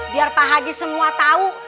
biar pak haji semua tahu